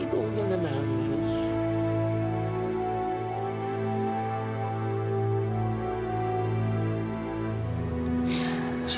sita maafkan papa begitu saja